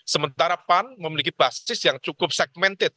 sementara pan memiliki basis yang cukup segmented